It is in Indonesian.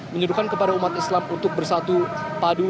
menyuruhkan kepada umat islam untuk bersatu padu